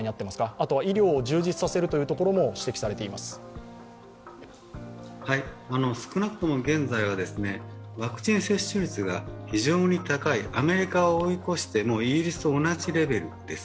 あとは医療を充実させることも少なくとも現在は、ワクチン接種率が非常に高いアメリカと追い越してイギリスと同じレベルです。